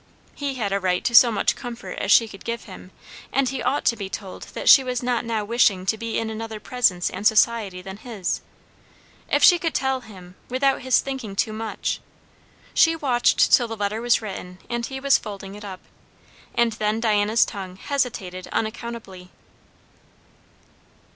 He had a right to so much comfort as she could give him, and he ought to be told that she was not now wishing to be in another presence and society than his. If she could tell him without his thinking too much she watched till the letter was written and he was folding it up. And then Diana's tongue hesitated unaccountably.